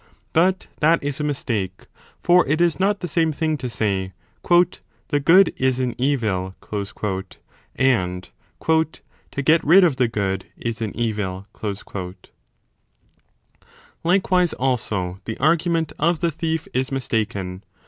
But that is a mistake ; for it is not the same thing to say The good is an evil and to get rid of the good is an evil . Likewise also the argument of the thief is mistaken.